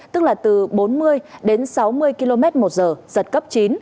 tức là từ bốn mươi đến sáu mươi km một giờ giật cấp chín